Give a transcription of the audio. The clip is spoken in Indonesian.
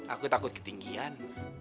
aku takut ketinggian